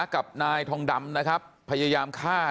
บอกแล้วบอกแล้วบอกแล้วบอกแล้วบอกแล้วบอกแล้ว